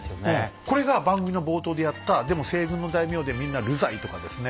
これが番組の冒頭でやったでも西軍の大名でみんな流罪とかですね